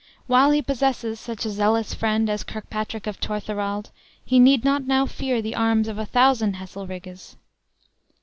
While he possesses such a zealous friend as Kirkpatrick of Torthorald, he need not now fear the arms of a thousand Heselrigges."